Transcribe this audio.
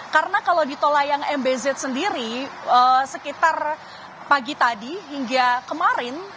karena kalau di tola yang mbz sendiri sekitar pagi tadi hingga kemarin